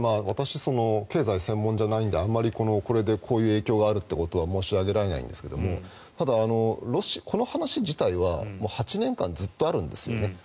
私、経済専門じゃないんであまりこれでこういう影響があるということは申し上げられないんですがただ、この話自体は８年間ずっとあるんですよね。